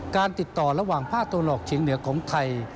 การติดต่อระหว่างภาคตะวันออกเฉียงเหนือของไทย